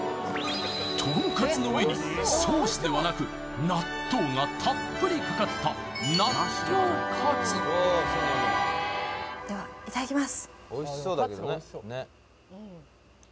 とんかつの上にソースではなく納豆がたっぷりかかったではいただきます